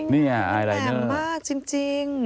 อ๋อนี่ไงแปลงมากจริง